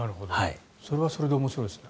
それはそれで面白いですね。